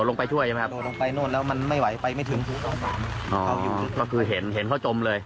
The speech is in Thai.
ลงไปช่วยรู้ไหมครับไปนี่แล้วมันไม่ไหวไปไม่ถึงเขาคือเห็นเขา